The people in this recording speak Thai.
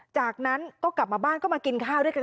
จากนั้นก็กลับมาบ้านก็มากินข้าวด้วยกัน